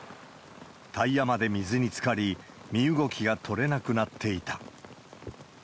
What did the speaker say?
タイヤまで水につかり、身動きが取れなくなっていた。